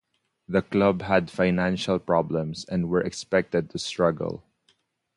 The club had financial problems and were expected to struggle.